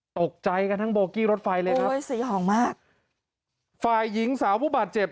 ตกใจกันทั้งโบกี้รถไฟเลยครับโอ้ยสีหอมมากฝ่ายหญิงสาวผู้บาดเจ็บ